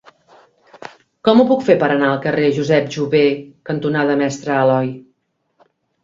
Com ho puc fer per anar al carrer Josep Jover cantonada Mestre Aloi?